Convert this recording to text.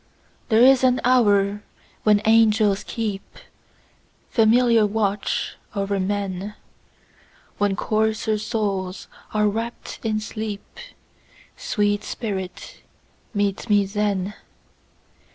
There is an hour when angels keepFamiliar watch o'er men, When coarser souls are wrapp'd in sleep—Sweet spirit, meet me then!